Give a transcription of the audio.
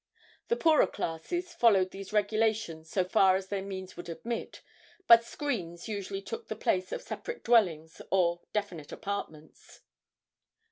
The poorer classes followed these regulations so far as their means would admit, but screens usually took the place of separate dwellings or definite apartments.